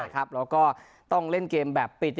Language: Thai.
แล้วก็ต้องเล่นเกมแบบปิด